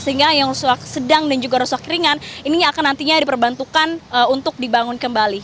sehingga yang rusak sedang dan juga rusak ringan ini akan nantinya diperbantukan untuk dibangun kembali